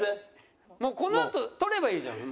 もうこのあと撮ればいいじゃん